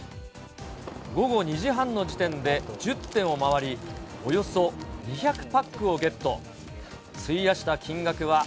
午後２時半の時点で１０店を回り、およそ２００パックをゲット。